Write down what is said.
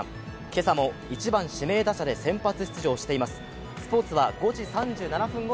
今朝も１番・指名打者で先発出場しています。